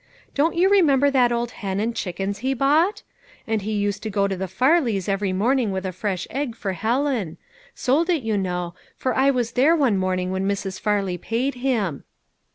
Don't you remember that old hen and chickens he bought? And he used to go to the Parleys every morning with a fresh egg for Helen ; sold it, you know, for I was there one morning when Mrs. Farley paid him."